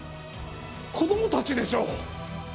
子どもたちでしょう！